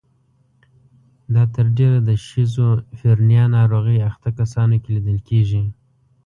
دا تر ډېره د شیزوفرنیا ناروغۍ اخته کسانو کې لیدل کیږي.